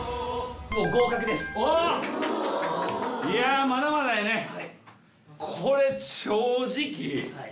いやまだまだやね。